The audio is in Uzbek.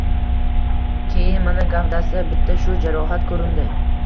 Keyin, mana, gavdasida bitta shu jarohat ko‘rindi